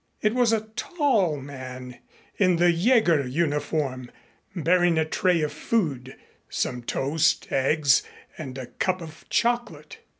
It was a tall man in the Jäger uniform bearing a tray of food some toast, eggs and a cup of chocolate.